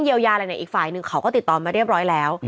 เยียวยาอะไรเนี่ยอีกฝ่ายหนึ่งเขาก็ติดต่อมาเรียบร้อยแล้ว